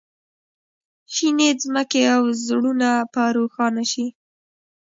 شینې ځمکې او زړونه په روښانه شي.